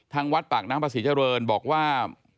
ทางวัดปากน้ำพระศรีเจริญบอกว่า